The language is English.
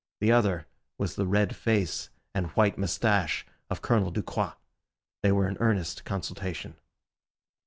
The other was the red face and white moustache of Colonel Ducroix. They were in earnest consultation.